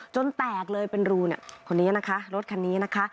แตกเลยเป็นรูเนี่ยคนนี้นะคะรถคันนี้นะคะ